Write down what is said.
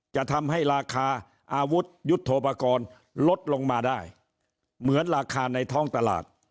จะทำให้ราคาอาวุธยุทธโปรกรณ์ลดลงมาได้เหมือนราคาในท้องตลาด